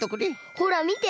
ほらみて。